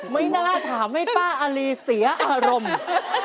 ไม่น่าถามให้ป้าอารีเสียอารมณ์